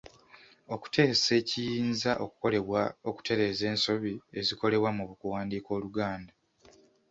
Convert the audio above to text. Okuteesa ekiyinza okukolebwa okutereeza ensobi ezikolebwa mu kuwandiika Oluganda.